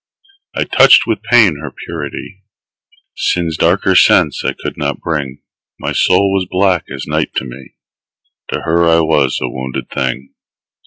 I touched with pain her purity; Sin's darker sense I could not bring: My soul was black as night to me: To her I was a wounded thing.